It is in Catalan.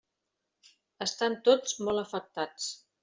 Estan tots molt afectats.